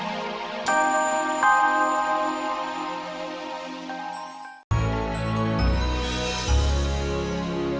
bukit kepada iman bingung